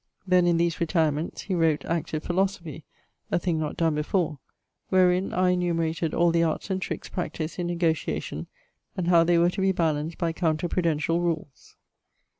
Then in these retirements he wrote Active Philosophy, (a thing not donne before) wherin are enumerated all the Arts and Tricks practised in Negotiation, and how they were to be ballanced by counter prudentiall rules.